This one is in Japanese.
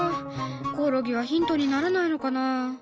コオロギはヒントにならないのかな。